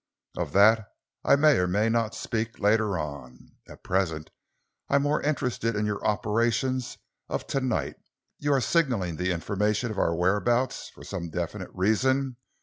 Of that I may or may not speak later on. At present I am more interested in your operations of to night. You are signalling the information of our whereabouts for some definite reason.